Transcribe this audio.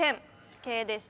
「Ｋ」でした。